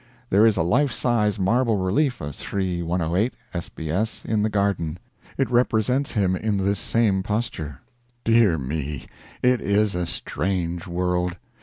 There is a life size marble relief of Shri 108, S.B.S. in the garden. It represents him in this same posture. Dear me! It is a strange world.